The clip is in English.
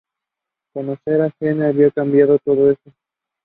The music was also played by the army band.